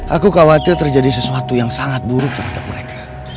aku khawatir terjadi sesuatu yang sangat buruk terhadap mereka